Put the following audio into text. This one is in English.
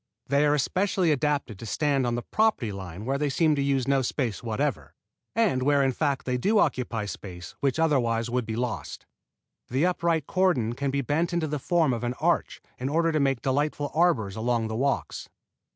They are especially adapted to stand on the property line where they seem to use no space whatever, and where in fact they do occupy space which otherwise would be lost. The upright cordon can be bent into the form of an arch in order to make delightful arbors along the walks.